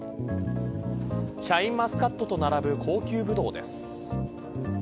シャインマスカットと並ぶ高級ブドウです。